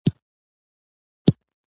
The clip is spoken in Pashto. د یوې کوچنۍ کښتۍ له لارې تګ راتګ کولای شي.